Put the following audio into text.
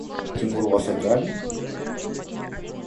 Тимур вас ограбил?